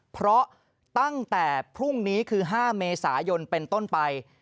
เพราะตั้งแต่พรุ่งนี้คือ๕เมษายนเป็นต้นไป